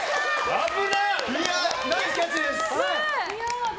危ない！